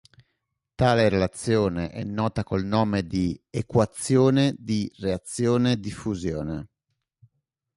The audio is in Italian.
Tale relazione è nota col nome di "equazione di reazione-diffusione".